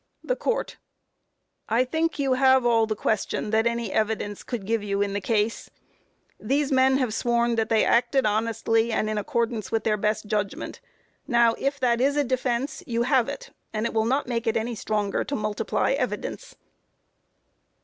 THE COURT: I think you have all the question that any evidence could give you in the case. These men have sworn that they acted honestly, and in accordance with their best judgment. Now, if that is a defense, you have it, and it will not make it any stronger to multiply evidence.